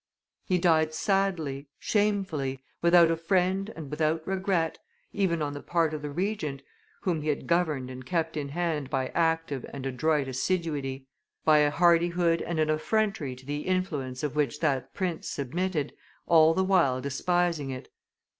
He died sadly, shamefully, without a friend and without regret, even on the part of the Regent, whom he had governed and kept in hand by active and adroit assiduity, by a hardihood and an effrontery to the influence of which that prince submitted, all the while despising it.